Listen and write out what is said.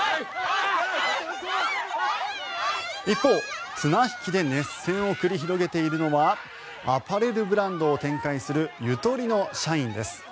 一方、綱引きで熱戦を繰り広げているのはアパレルブランドを展開するｙｕｔｏｒｉの社員です。